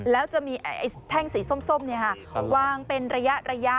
แล้วจะมีแท่งสีส้มเนี่ยค่ะวางเป็นระยะ